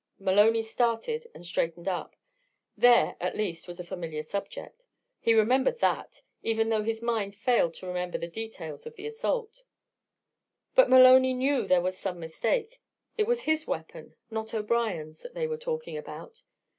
Maloney started and straightened up; there, at least, was a familiar subject. He remembered that, even though his mind failed to remember the details of the assault. But Maloney knew there was some mistake; it was his weapon, not O'Brien's, that they were talking about.